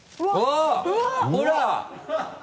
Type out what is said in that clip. あぁほら！